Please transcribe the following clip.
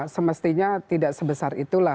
semestinya tidak sebesar itulah